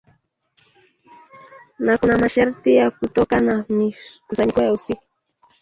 na kuna masharti ya kutoka na mikusanyiko ya usiku